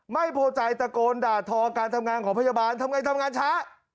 ไม่พอใจตะโกนด่าทอการทำงานของพยาบาลทำไงทำงานช้า